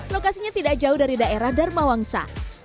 lokasinya tidak jauh dari daerah dharmawangsa